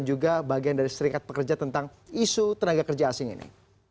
juga bagian dari serikat pekerja tentang isu tenaga kerja asing ini